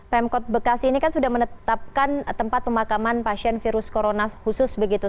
pemkot bekasi ini kan sudah menetapkan tempat pemakaman pasien virus corona khusus begitu